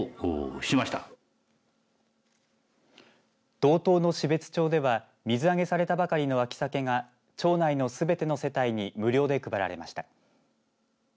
道東の標津町では水揚げされたばかりの秋サケが町内のすべての世帯に無料で配られました。